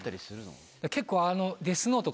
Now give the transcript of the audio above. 結構。